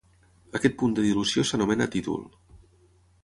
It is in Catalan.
Aquest punt de dilució s'anomena títol.